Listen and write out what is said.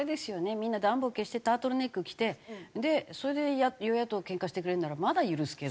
みんな暖房消してタートルネック着てそれで与野党ケンカしてくれるならまだ許すけど。